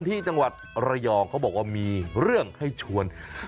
ที่จังหวัดระยองเขาบอกว่ามีเรื่องให้ชวน